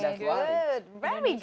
itu adalah hal yang sangat baik